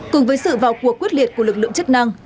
cùng với sự vào cuộc quyết liệt của lực lượng chức năng